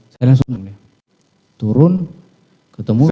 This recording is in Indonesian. saya langsung turun ketemu